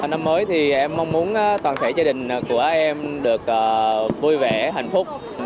năm mới thì em mong muốn toàn thể gia đình của em được vui vẻ hạnh phúc